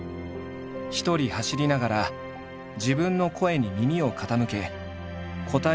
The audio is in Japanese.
一人走りながら自分の声に耳を傾け答えを導き出している。